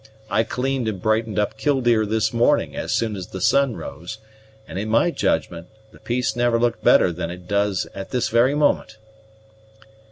I cleaned and brightened up Killdeer this morning as soon as the sun rose; and, in my judgment, the piece never looked better than it does at this very moment."